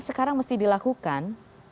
sekarang mesti dilakukan